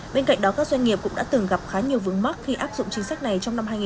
bên cạnh đó các doanh nghiệp cũng đã từng gặp khá nhiều vướng mắc khi áp dụng chính sách này